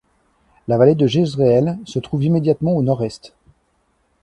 La vallée de Jezréel se trouve immédiate au nord-est.